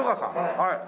はい。